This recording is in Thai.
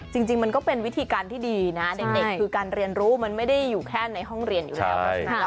จริงมันก็เป็นวิธีการที่ดีนะเด็กคือการเรียนรู้มันไม่ได้อยู่แค่ในห้องเรียนอยู่แล้ว